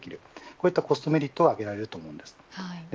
こういったコストメリットが挙げられます。